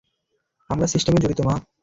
আমরা সিস্টেমে জড়িত, মা?